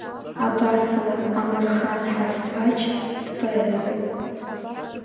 Абасала, Амырхан Ҳавԥач дпоетхоит.